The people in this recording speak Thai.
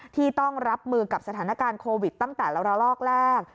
ที่ต้องรับมือกับสถานการณ์โควิดตั้งแต่ละลอกแรก